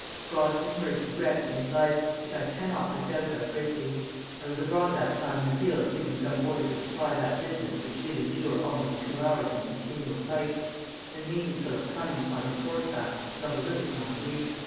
God of his mercy grant me his life! which I cannot but doubt of greatly. I was abroad that time in the field giving some order to supply that business, which did endure almost two hours in continual fight; and meeting Philip coming upon his horseback, not a little to my grief.